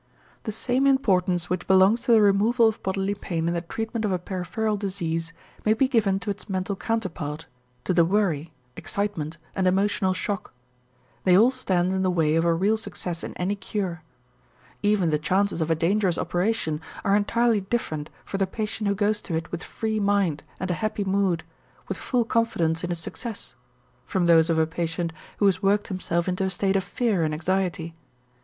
The same importance which belongs to the removal of bodily pain in the treatment of a peripheral disease may be given to its mental counterpart, to the worry, excitement, and emotional shock. They all stand in the way of a real success in any cure. Even the chances of a dangerous operation are entirely different for the patient who goes to it with free mind and a happy mood, with full confidence in its success, from those of a patient who has worked himself into a state of fear and anxiety.